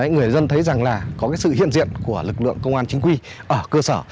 người dân thấy rằng là có sự hiện diện của lực lượng công an chính quy ở cơ sở